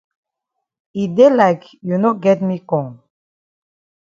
E dey like you no get me kong